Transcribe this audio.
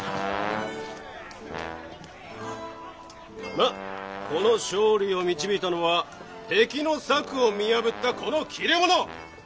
まっこの勝利を導いたのは敵の策を見破ったこの切れ者本多正信でござろうな！